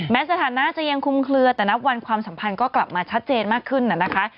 สถานะจะยังคุมเคลือแต่นับวันความสัมพันธ์ก็กลับมาชัดเจนมากขึ้นนะคะ